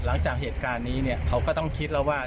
หลังจากเหตุการณ์นี้เนี่ยเขาก็ต้องคิดแล้วว่า